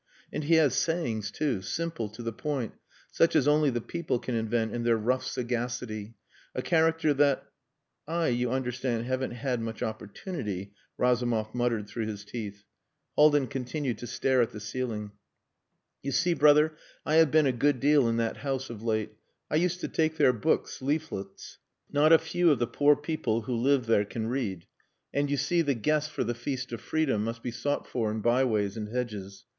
And he has sayings too simple, to the point, such as only the people can invent in their rough sagacity. A character that...." "I, you understand, haven't had much opportunity...." Razumov muttered through his teeth. Haldin continued to stare at the ceiling. "You see, brother, I have been a good deal in that house of late. I used to take there books leaflets. Not a few of the poor people who live there can read. And, you see, the guests for the feast of freedom must be sought for in byways and hedges.